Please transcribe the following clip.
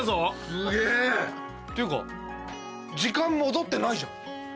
すげぇ！っていうか時間戻ってないじゃん！